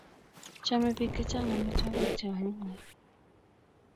chomei biik che chang' amitwogik che anyinyen